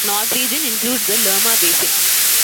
The North region includes the Lerma Basin.